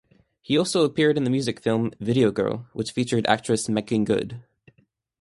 He also appeared in the music film "Video Girl" which featured actress Meagan Good.